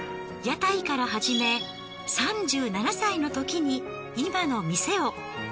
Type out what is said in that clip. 屋台から始め３７歳の時に今の店を。